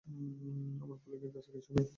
আমার কলিগের কাছে কিছুই নেই।